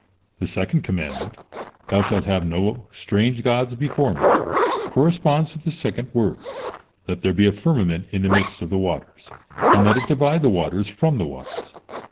The second commandment: "Thou shalt have no strange gods before me," corresponds to the second word: "Let there be a firmament in the midst of the waters, and let it divide the waters from the waters."